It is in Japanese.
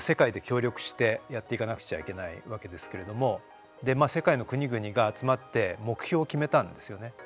世界で協力してやっていかなくちゃいけないわけですけれども世界の国々が集まって目標を決めたんですよね。